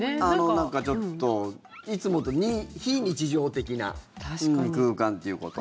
なんか、ちょっといつもと非日常的な空間ということで。